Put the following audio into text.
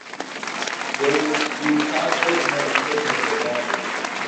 Жэнэтбзу пагэр мэзымкӏэ лъэтэжащ.